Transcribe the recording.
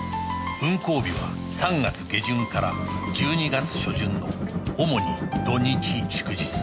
運行日は３月下旬から１２月初旬の主に土日祝日